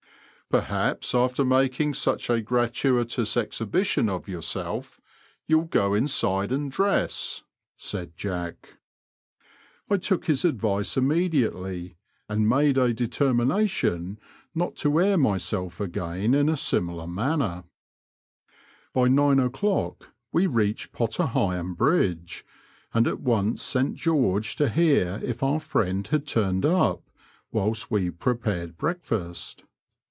''Perhaps after making such a gratuitous exhibition of yourself you'll go inside and dress," said Jack. y Google 76 BBOADS AND BIYEBS OP NOBFOLK AND SUFFOLK. I took his adrice immediately, and made a determination not to air myself again in a similar manner. Bj nine o'clock we reached Potter Heigham Bridge, and at once sent George to hear if our friend had turned up, whilst we prepared breakfast.